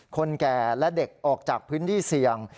คนแก่และเด็กออกจากพื้นที่เสี่ยง